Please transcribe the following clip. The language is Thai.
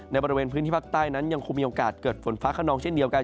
ในพื้นที่ภาคใต้นั้นยังคงมีโอกาสเกิดฝนฟ้าขนองเช่นเดียวกัน